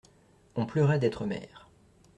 On pleurait d'être mère.